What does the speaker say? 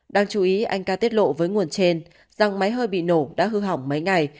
đáng chú ý anh ca tiết lộ với nguồn trên dòng máy hơi bị nổ đã hư hỏng mấy ngày